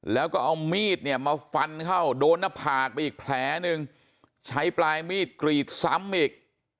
แล้วก็เอามีดเนี่ยมาฟันเข้าโดนหน้าผากไปอีกแผลหนึ่งใช้ปลายมีดกรีดซ้ำอีก